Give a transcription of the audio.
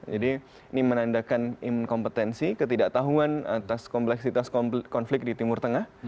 jadi ini menandakan inkompetensi ketidaktahuan atas kompleksitas konflik di timur tengah